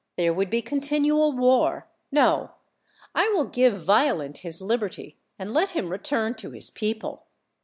There would be continual war. No; I will five Violent his liberty, and let him return to his people.